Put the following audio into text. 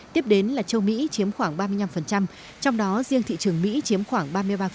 tiếp đến là châu mỹ chiếm khoảng ba mươi năm trong đó riêng thị trường mỹ chiếm khoảng ba mươi ba